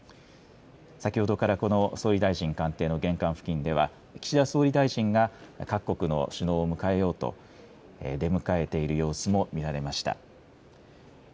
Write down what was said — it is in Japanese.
先ほどからこの総理大臣官邸の玄関付近では、岸田総理大臣が各国の首脳を迎えようと、出迎えている様子も見られました。